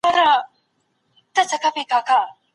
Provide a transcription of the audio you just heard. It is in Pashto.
ډاکټران د بورې کمښت سپارښتنه کوي.